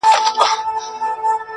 هم پر کور هم یې پر کلي شرمولې -